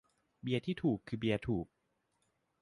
"เบียร์ที่ถูกคือเบียร์ถูก"